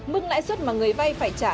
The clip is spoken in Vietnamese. mức lãi suất mà người vay phải trả